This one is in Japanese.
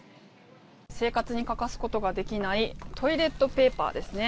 生活に欠かすことができないトイレットペーパーですね。